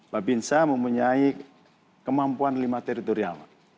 babinsa mempunyai kemampuan lima teritorial